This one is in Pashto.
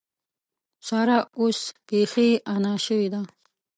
سارا اوس بېخي انا شوې ده.